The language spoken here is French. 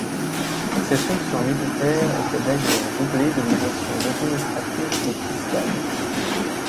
Ces fonctions militaires étaient d’ailleurs doublées d’obligations administratives et fiscales.